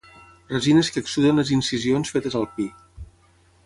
Resines que exsuden les incisions fetes al pi.